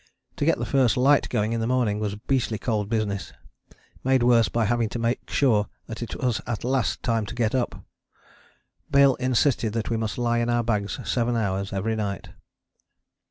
To get the first light going in the morning was a beastly cold business, made worse by having to make sure that it was at last time to get up. Bill insisted that we must lie in our bags seven hours every night.